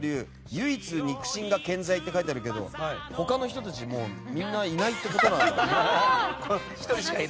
唯一、肉親が健在って書いてあるけど他の人たちみんないないってことなのかな。